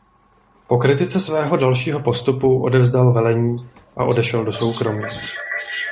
Po kritice svého dalšího postupu odevzdal velení a odešel do soukromí.